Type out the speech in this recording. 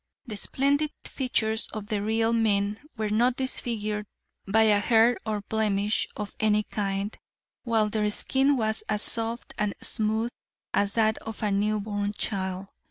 The splendid features of the real men were not disfigured by a hair or blemish of any kind, while their skin was as soft and smooth as that of a new born child.